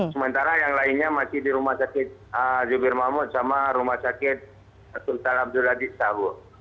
sementara yang lainnya masih di rumah sakit jubir mahmud sama rumah sakit sultan abdul aziz sabu